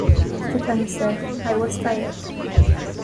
Stefani said, I was tired.